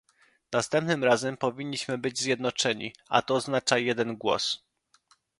Następnym razem powinniśmy być zjednoczeni, a to oznacza jeden głos